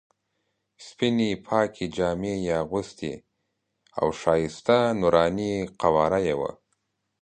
سپینې پاکې جامې یې اغوستې او ښایسته نوراني قواره یې وه.